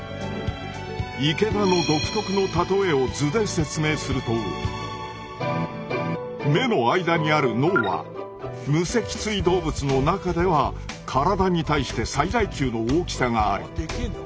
池田の独特の例えを目の間にある脳は無脊椎動物の中では体に対して最大級の大きさがある。